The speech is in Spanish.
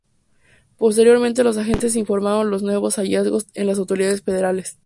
Posteriormente los agentes informaron de los nuevos hallazgos a las autoridades federales.